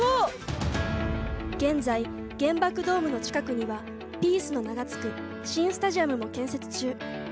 現在原爆ドームの近くにはピースの名が付く新スタジアムも建設中。